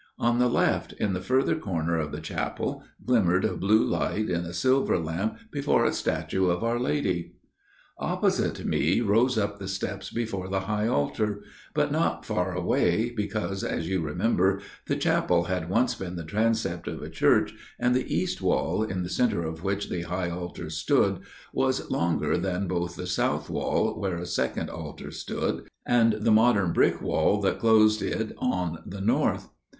On the left, in the further corner of the chapel, glimmered a blue light in a silver lamp before a statue of our Lady. "Opposite me rose up the steps before the high altar; but not far away, because, as you remember, the chapel had once been the transept of a church, and the east wall, in the centre of which the high altar stood, was longer than both the south wall where a second altar stood, and the modern brick wall that closed it on the north.